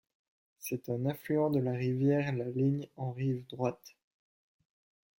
C'est un affluent de la rivière la Ligne en rive droite.